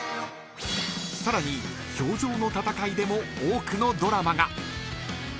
さらに氷上の戦いでも多くのドラマが。